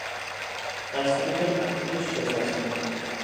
- Այսինքն ի՞նչ չես հասկանում: